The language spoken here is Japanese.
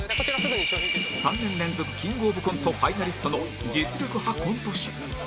３年連続キングオブコントファイナリストの実力派コント師